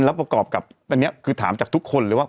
แล้วประกอบกับอันนี้คือถามจากทุกคนเลยว่า